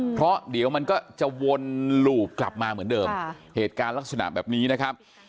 เพราะเดี๋ยวมันก็จะวนหลูบกลับมาเหมือนเดิมเหตุการณ์ลักษณะแบบนี้นะครับ